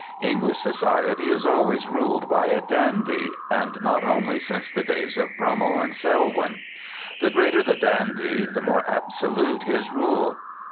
English society is always ruled by a dandy, and not only since the days of Brummel and Selwyn. The greater the dandy, the more absolute his rule.